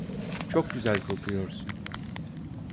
Çok güzel kokuyorsun.